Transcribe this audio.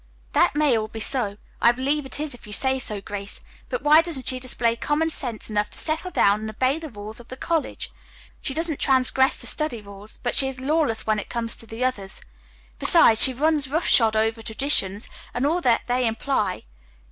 "That may all be so. I believe it is, if you say so, Grace, but why doesn't she display common sense enough to settle down and obey the rules of the college? She doesn't transgress the study rules, but she is lawless when it comes to the others. Besides, she runs roughshod over traditions, and all that they imply.